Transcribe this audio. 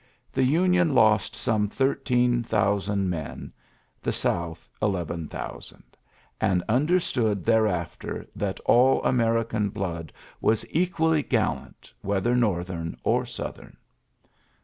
The Union lost some thirteen thousand men, the South eleven thousand, — and understood thereafter that all American blood was equally gallant, whether Northern or Southern.